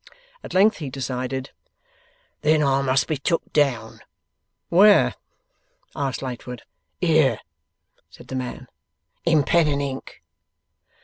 At length he decided: 'Then I must be took down.' 'Where?' asked Lightwood. 'Here,' said the man. 'In pen and ink.